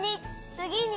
「つぎに」